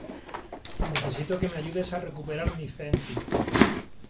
necesito que me ayudes a recuperar mi fe en ti .